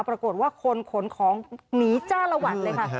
ปรากฏว่าคนขนของหนีจ้าละวัดเลยค่ะ